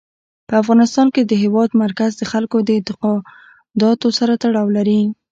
په افغانستان کې د هېواد مرکز د خلکو د اعتقاداتو سره تړاو لري.